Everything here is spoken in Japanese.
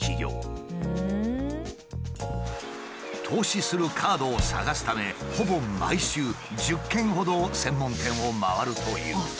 投資するカードを探すためほぼ毎週１０軒ほど専門店を回るという。